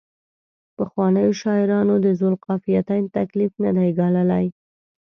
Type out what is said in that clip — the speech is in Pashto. پخوانیو شاعرانو د ذوقافیتین تکلیف نه دی ګاللی.